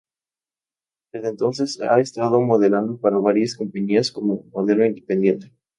Desde entonces ha estado modelando para varias compañías como modelo independiente.